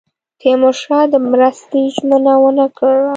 تیمورشاه د مرستې ژمنه ونه کړه.